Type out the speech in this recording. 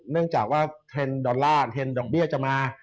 เนื่องจากว่าเทรนด์ดอลลาร์เทรนดดอกเบี้ยจะมา